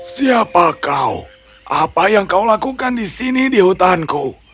siapa kau apa yang kau lakukan di sini di hutanku